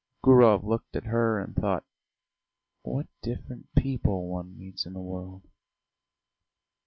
Gurov looked at her and thought: "What different people one meets in the world!"